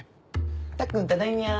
たっくんただいみゃ。